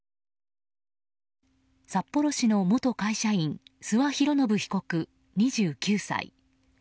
札幌市の元会社員諏訪博宣被告、２９歳。